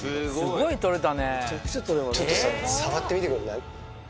ちょっとさ、触ってみてくれない？